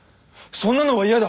そんなのは嫌だ！